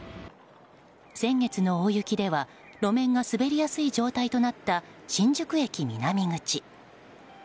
先月の大雪では路面が滑りやすい状態となった新宿駅南口。